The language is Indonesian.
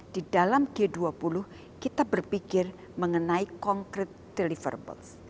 di dalam g dua puluh kita berpikir mengenai konkret deliverable